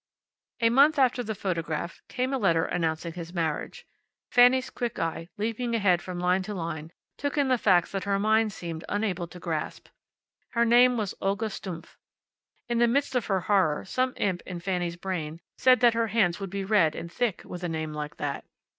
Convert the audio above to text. A month after the photograph, came a letter announcing his marriage. Fanny's quick eye, leaping ahead from line to line, took in the facts that her mind seemed unable to grasp. Her name was Olga Stumpf. (In the midst of her horror some imp in Fanny's brain said that her hands would be red, and thick, with a name like that.)